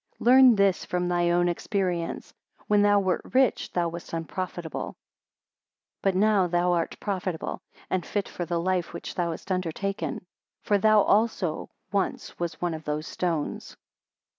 72 Learn this from thy own experience: when thou wert rich, thou wast unprofitable; but now thou art profitable, and fit for the life which thou hast undertaken; for thou also once was one of those stones.